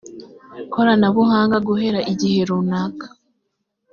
koranabuhanga guhera igihe runaka